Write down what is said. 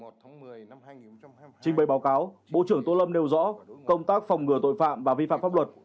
trình bày báo cáo bộ trưởng tô lâm nêu rõ công tác phòng ngừa tội phạm và vi phạm pháp luật